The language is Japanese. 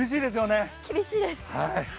厳しいですよね。